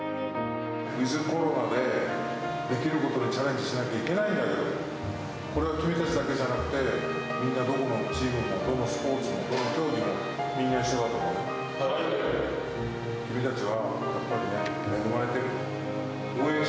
ウィズコロナで、できることにチャレンジしなきゃいけないんだけども、これは君たちだけじゃなくて、みんなどこのチームも、どのスポーツもどの競技も、みんな一緒だと思うよ。